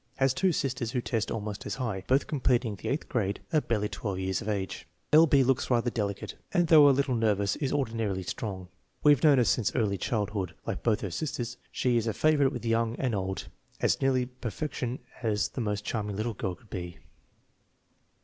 Has two sisters who test almost as high, both completing the eighth grade at barely 12 years of age. L. B. looks rather delicate, and though a little nervous is ordinarily strong. We have known her since her early childhood. Like both her sisters, she is a favorite with young and old, as nearly perfection as the most charming little girl could be.